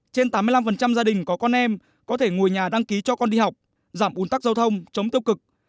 trên tám mươi năm gia đình có con em có thể ngồi nhà đăng ký cho con đi học giảm ủn tắc giao thông chống tiêu cực